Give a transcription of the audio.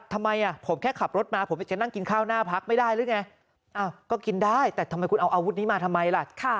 ทำไมผมแค่ขับรถมาผมจะนั่งกินข้าวหน้าพักไม่ได้หรือไงก็กินได้แต่ทำไมคุณเอาอาวุธนี้มาทำไมล่ะ